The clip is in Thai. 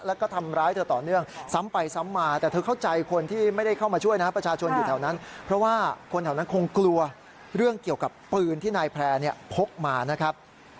แล้วก็ทำร้ายเธอต่อเนื่องซ้ำไปซ้ำมาแต่เธอเข้าใจคนที่ไม่ได้เข้ามาช่วยนะประชาชนอยู่แถวนั้นเพราะว่าคนแถวนั้นคงกลัวเรื่องเกี่ยวกับปืนที่นายแพร่เนี่ยพกมานะครับ